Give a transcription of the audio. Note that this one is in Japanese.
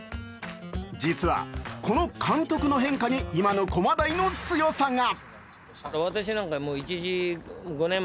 実は、この監督の変化に今の駒大の強さが。